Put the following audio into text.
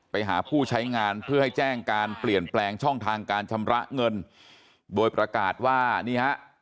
ไปหาผู้ใช้งานเพื่อให้แจ้งการเปลี่ยนแปลงช่องทางการชำระเงินโดยประกาศว่านี่ฮะ